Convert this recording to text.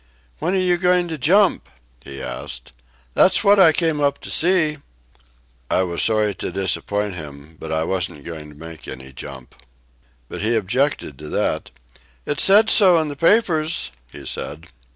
"When are you going to jump?" he asked. "That's what I came up to see." I was sorry to disappoint him, but I wasn't going to make any jump. But he objected to that. "It said so in the papers," he said.